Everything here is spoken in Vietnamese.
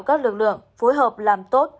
các lực lượng phối hợp làm tốt